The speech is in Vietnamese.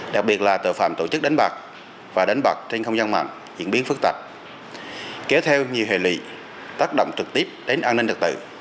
đặc biệt là tội phạm tổ chức đánh bạc và đánh bạc trên không gian mạng diễn biến phức tạp kéo theo nhiều hệ lụy tác động trực tiếp đến an ninh đặc tự